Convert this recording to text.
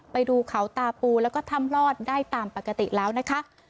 ไปดูเขาตาปูแล้วก็ถ้ำลอดได้ตามปกติแล้วนะคะ